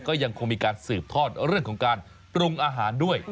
ก็ยังคงมีการสืบทอดเรื่องของการปรุงอาหารด้วย